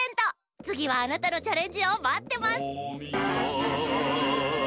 つぎはあなたのチャレンジをまってます！